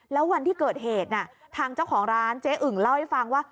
แล้ววันที่เกิดเหตุทางเจ้าของร้านเจ๊อึ่งเล่าให้ฟังว่า